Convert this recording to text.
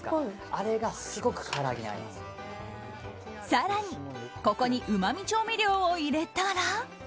更に、ここにうま味調味料を入れたら。